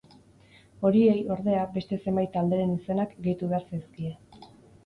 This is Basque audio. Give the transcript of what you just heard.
Horiei, ordea, beste zenbait talderen izenak gehitu behar zaizkie.